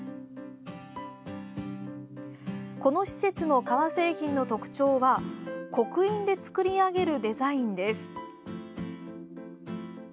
ここの革製品の特徴は刻印で作り上げるデザインです。